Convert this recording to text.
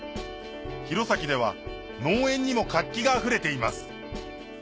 弘前では農園にも活気があふれています